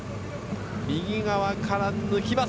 右側から抜きます。